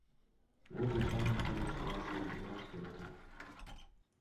Вет Эчаным тудо чыла шот денат йӧрата.